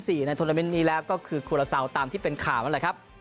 สนามินทร์มีแล้วก็คือครัวเหล้าเศร้าตามที่เป็นข่าวนั่นแหละครับ